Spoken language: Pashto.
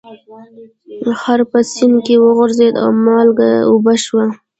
خر په سیند کې وغورځید او مالګه اوبه شوه.